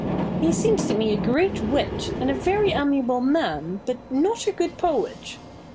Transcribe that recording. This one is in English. He seems to me a great wit, and a very amiable man, but not a good poet.